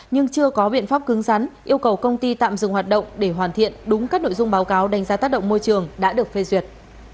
nhưng chưa có biện pháp cứng rắn yêu cầu công ty tạm dừng hoạt động để hoàn thiện đúng các nội dung báo cáo đánh giá tác động môi trường đã được phê duyệt